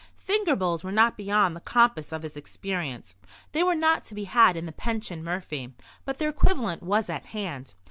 Finger bowls were not beyond the compass of his experience. They were not to be had in the Pension Murphy; but their equivalent was at hand.